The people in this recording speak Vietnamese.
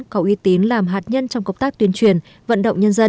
có uy tín làm hạt nhân trong công tác tuyên truyền vận động nhân dân